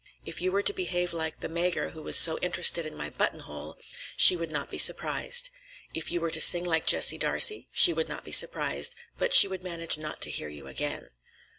If you were to behave like the Magyar who was so interested in my buttonhole, she would not be surprised. If you were to sing like Jessie Darcey, she would not be surprised; but she would manage not to hear you again."